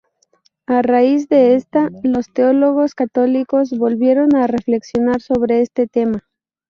A raíz de esta, los teólogos católicos volvieron a reflexionar sobre este tema.